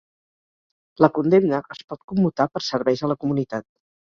La condemna es pot commutar per serveis a la comunitat